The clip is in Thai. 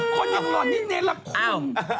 คนยังล่อนนิดนึงเลยแล้วคุณ